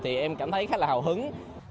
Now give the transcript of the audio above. thì em cảm thấy khá là hào hứng